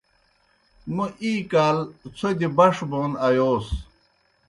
موْ اِی کال څھوْدیْ بݜ بون آیوس۔